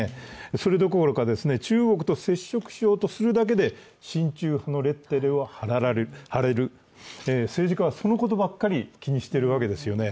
それどころか中国と接触しようとするだけで親中国派のレッテルを貼られる、政治家はそのことばっかり気にしているわけですよね。